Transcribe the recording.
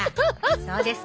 そうですか。